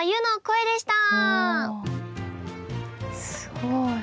すごい。